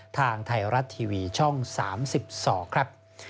ทางไทยรัฐทีวีช่อง๓๒ครับ